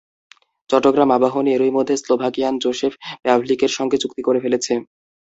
চট্টগ্রাম আবাহনী এরই মধ্যে Slovakian Joseph প্যাভলিকের সঙ্গে চুক্তি করে ফেলেছে।